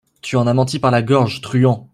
Tu en as menti par la gorge, truand !